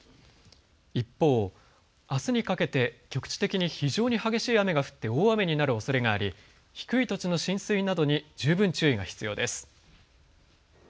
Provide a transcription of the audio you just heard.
一方、あすにかけて局地的に非常に激しい雨が降って大雨になるおそれがあり、低い土地の浸水などに十分注意が必要です。